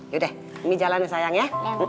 yaudah mimi jalan sayang ya